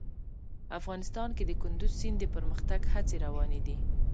افغانستان کې د کندز سیند د پرمختګ هڅې روانې دي.